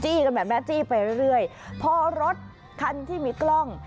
กันแบบนี้จี้ไปเรื่อยพอรถคันที่มีกล้อง